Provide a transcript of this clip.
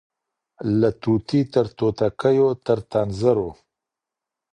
له طوطي تر توتکیو تر تنزرو